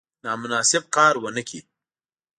نامناسب کار ونه کړي.